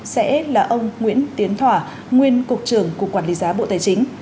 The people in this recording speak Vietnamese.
sẽ là ông nguyễn tiến thỏa nguyên cục trưởng cục quản lý giá bộ tài chính